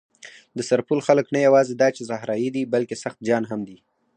د سرپل خلک نه یواځې دا چې صحرايي دي، بلکې سخت جان هم دي.